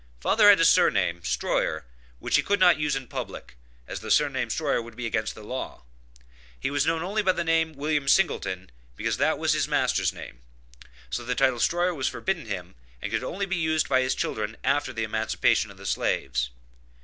Father had a surname, Stroyer, which he could not use in public, as the surname Stroyer would be against the law; he was known only by the name of William Singleton, because that was his master's name. So the title Stroyer was forbidden him, and could be used only by his children after the emancipation of the slaves.